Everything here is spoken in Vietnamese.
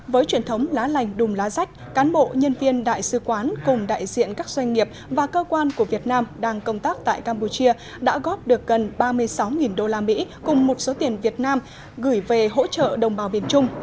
với truyền thống lá lành đùm lá rách cán bộ nhân viên đại sứ quán cùng đại diện các doanh nghiệp và cơ quan của việt nam đang công tác tại campuchia đã góp được gần ba mươi sáu usd cùng một số tiền việt nam gửi về hỗ trợ đồng bào miền trung